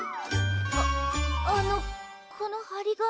あっあのこのはり紙の。